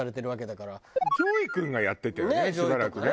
ＪＯＹ君がやってたよねしばらくね。